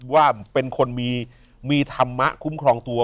ว่าเป็นคนมีธรรมะคุ้มครองตัว